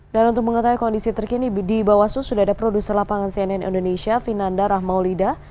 dan untuk mengetahui kondisi terkini di bawaslu sudah ada produser lapangan cnn indonesia finanda rahmaulida